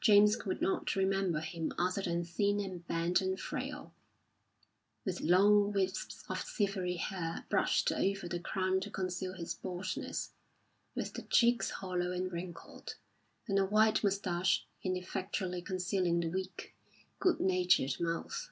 James could not remember him other than thin and bent and frail, with long wisps of silvery hair brushed over the crown to conceal his baldness, with the cheeks hollow and wrinkled, and a white moustache ineffectually concealing the weak, good natured mouth.